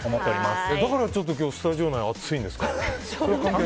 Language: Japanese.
だから今日スタジオ内暑いんですか？